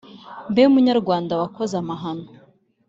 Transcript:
mbe munyarwanda wakoze amahano